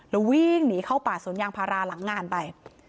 แล้ววิ่งหนีเข้าป่าสวนยางพาราหลังงานไป